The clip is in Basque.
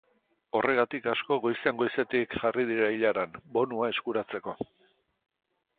Horregatik asko goizean goizetik jarri dira ilaran, bonua eskuratzeko.